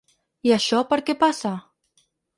I això ¿per què passa?